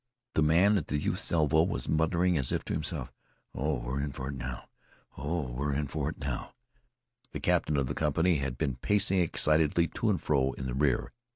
The man at the youth's elbow was mumbling, as if to himself: "Oh, we 're in for it now! oh, we 're in for it now!" The captain of the company had been pacing excitedly to and fro in the rear.